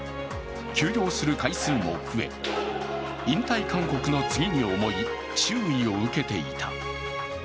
休場する回数も増え引退勧告の次に重い注意を受けていた。